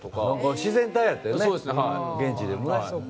自然体やったよな現地でも。